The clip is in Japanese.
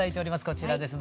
こちらです。